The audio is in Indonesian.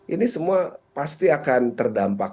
ini semua pasti akan terdampak